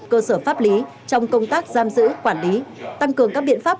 cơ sở pháp lý trong công tác giam giữ quản lý tăng cường các biện pháp